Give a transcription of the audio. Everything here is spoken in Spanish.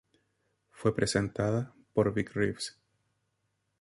Fue presentada por Vic Reeves.